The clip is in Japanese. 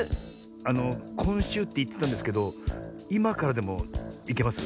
あのこんしゅうっていってたんですけどいまからでもいけます？